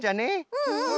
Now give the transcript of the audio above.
うんうん。